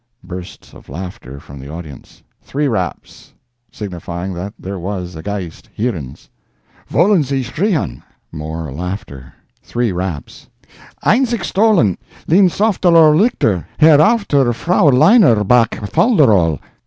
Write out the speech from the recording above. (bursts of laughter from the audience.) Three raps—signifying that there was a geist hierans. "Vollensie schriehen?" (more laughter). Three raps. "Einzig stollen, linsowftterowlickter hairowfterfrowleineruback folderol?"